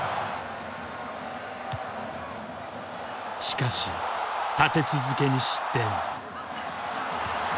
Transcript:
しかし立て続けに失点。